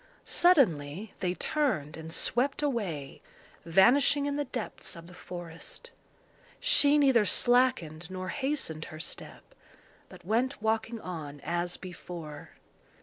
Suddenly they turned and swept away, vanishing in the depths of the forest. She neither slackened nor hastened her step, but went walking on as before.